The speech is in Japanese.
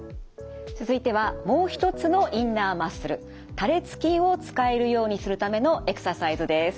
続いてはもう一つのインナーマッスル多裂筋を使えるようにするためのエクササイズです。